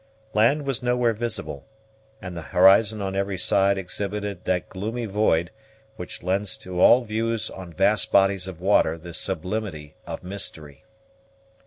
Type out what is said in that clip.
Land was nowhere visible; and the horizon on every side exhibited that gloomy void, which lends to all views on vast bodies of water the sublimity of mystery.